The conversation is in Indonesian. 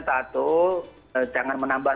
tatu jangan menambah